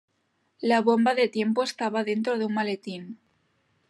La bomba de tiempo estaba dentro de un maletín.